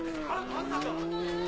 まさか！